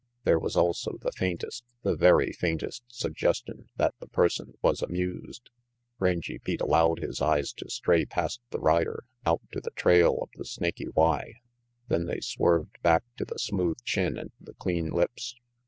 There was also the faintest, the very faintest suggestion that the person was amused. Rangy Pete allowed his eyes to stray past the rider, out to the trail of the Snaky Y. Then they swerved back to the smooth chin and the clean lips.